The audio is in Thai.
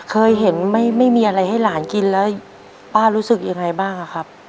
เคยเห็นไม่มีอะไรให้หลานกินแล้วป้ารู้สึกยังไงบ้างอะครับ